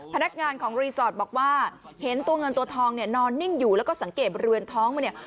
พนักงานของรีสอร์ทบอกว่าเห็นตัวเงินตัวทองเนี่ยนอนนิ่งอยู่แล้วก็สังเกตบริเวณท้องมาเนี่ย